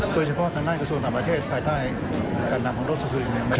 โดยเฉพาะทางด้านกระทรวงต่างประเทศภายใต้การทำของรถทรัพย์สุรินทร์